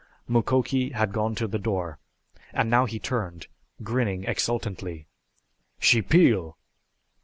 Mukoki had gone to the door, and now he turned, grinning exultantly. "She peel!"